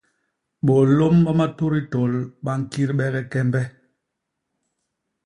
Bôlôm ba matut i tôl ba ñkidbege kembe.